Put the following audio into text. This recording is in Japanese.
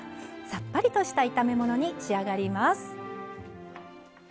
さっぱりとした炒め物に仕上がります。